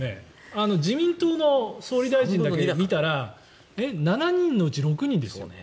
自民党の総理大臣だけ見たら７人のうち６人ですよね。